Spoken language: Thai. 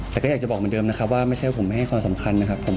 แต่ก็อยากจะบอกเหมือนเดิมนะครับว่าไม่ใช่ผมไม่ให้ความสำคัญนะครับผม